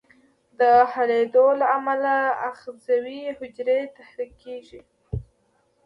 د حلېدو له امله آخذوي حجرې تحریکیږي.